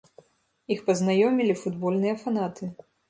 Іх пазнаёмілі футбольныя фанаты.